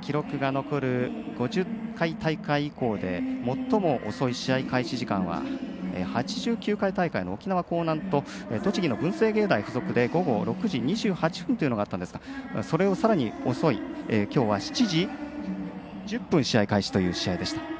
記録が残る５０回大会以降で最も遅い試合開始時間８９回大会の沖縄と栃木の高校の試合で午後６時２８分というのがあったんですがそれをさらに遅い７時１０分試合開始でした。